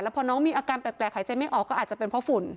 พอน้องมีอาการแปลกหายใจไม่ออกก็อาจจะเป็นเพราะฝุ่น